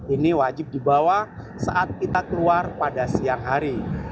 ini wajib dibawa saat kita keluar pada siang hari